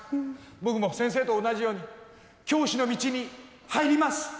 僕も先生と同じように教師の道に入ります。